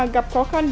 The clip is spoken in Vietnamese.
gặp khó khăn